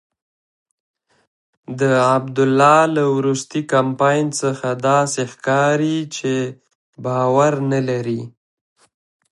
د عبدالله له وروستي کمپاین څخه داسې ښکاري چې باور نلري.